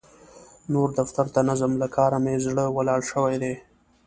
نور دفتر ته نه ځم؛ له کار مې زړه ولاړ شوی دی.